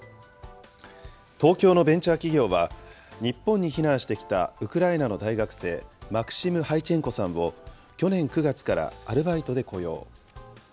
東京のベンチャー企業は、日本に避難してきたウクライナの大学生、マクシム・ハイチェンコさんを去年９月からアルバイトで雇用。